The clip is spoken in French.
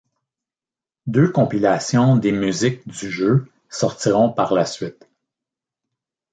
Deux compilations des musiques du jeu sortiront par la suite.